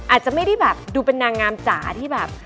อาจจะไม่ได้แบบดูเป็นนางงามจ๋าที่แบบ